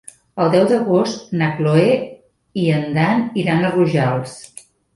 El deu d'agost na Cloè i en Dan iran a Rojals.